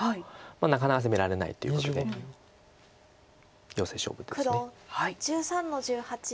なかなか攻められないということでヨセ勝負です。